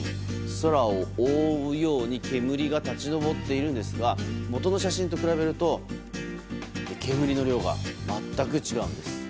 空を覆うように煙が立ち上っているんですが元の写真と比べると煙の量が全く違うんです。